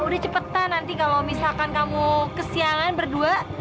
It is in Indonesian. sudah cepat nanti kalau misalkan kamu kesiangan berdua